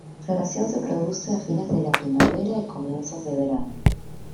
La floración se produce a fines de la primavera y comienzos de verano.